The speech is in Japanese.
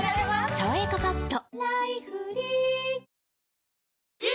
「さわやかパッド」